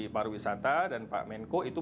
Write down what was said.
pariwisata dan pak menko itu